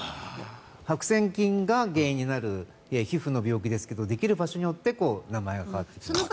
白せん菌が原因になる皮膚の病気ですができる場所によって名前が変わる。